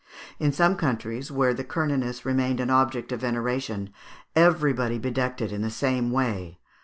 In some countries, where the Cernunnos remained an object of veneration, everybody bedecked it in the same way.